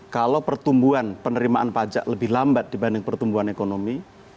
kalau pertumbuhan penerimaan pajak lebih lambat dibanding pertumbuhan ekonomi